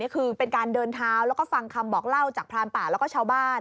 คือเป็นการเดินเท้าแล้วก็ฟังคำบอกเล่าจากพรานป่าแล้วก็ชาวบ้าน